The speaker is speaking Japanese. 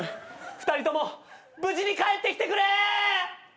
２人とも無事に帰ってきてくれ！